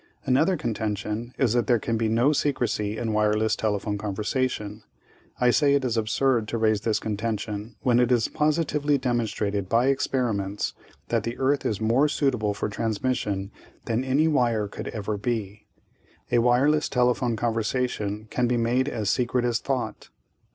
"Another contention is that there can be no secrecy in wireless telephone conversation. I say it is absurd to raise this contention when it is positively demonstrated by experiments that the earth is more suitable for transmission than any wire could ever be. A wireless telephone conversation can be made as secret as thought.